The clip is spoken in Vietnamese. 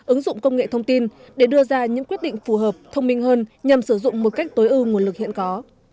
ứng dụng công nghệ thông tin để đưa ra những quyết định phù hợp thông minh hơn nhằm sử dụng một cách tối ưu nguồn lực hiện có